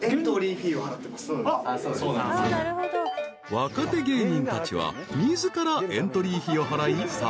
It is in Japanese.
［若手芸人たちは自らエントリー費を払い参加］